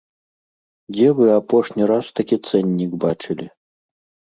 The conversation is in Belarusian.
Дзе вы апошні раз такі цэннік бачылі?